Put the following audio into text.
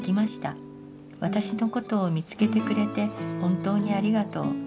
私のことを見つけてくれて本当にありがとう。